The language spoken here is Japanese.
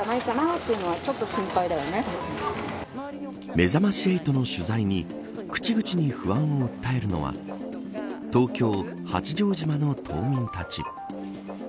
めざまし８の取材に口々に不安を訴えるのは東京、八丈島の島民たち。